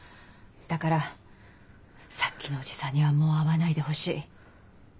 だからさっきのおじさんにはもう会わないでほしい。